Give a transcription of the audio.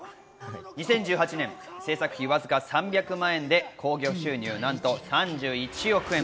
２０１８年、製作費わずか３００万円で興行収入、なんと３１億円。